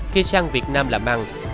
khi sang việt nam làm ăn